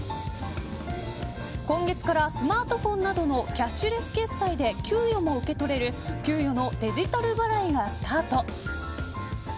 今月からスマートフォンなどのキャッシュレス決済で給与も受け取れる給与のデジタル払いがスタート。